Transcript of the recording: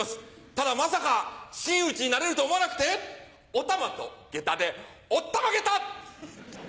ただまさか真打になれると思わなくてお玉とげたで「おったまげた」！